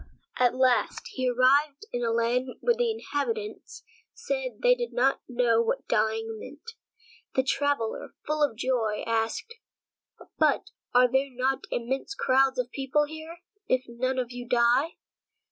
At last he arrived in a land where the inhabitants said they did not know what dying meant. The traveler, full of joy, asked: "But are there not immense crowds of people here, if none of you die?"